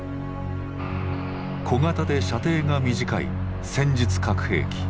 小型で射程が短い戦術核兵器。